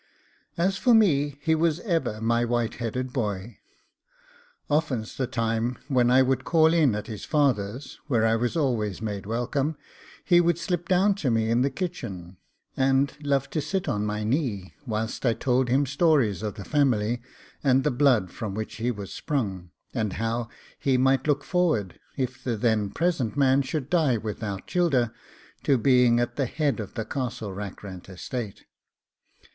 As for me, he was ever my white headed boy: often's the time, when I would call in at his father's, where I was always made welcome, he would slip down to me in the kitchen, and, love to sit on my knee whilst I told him stories of the family and the blood from which he was sprung, and how he might look forward, if the then present man should die without childer, to being at the head of the Castle Rackrent estate.